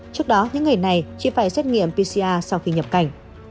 trước đó những người này chỉ phải xét nghiệm pcr sau khi nhập cảnh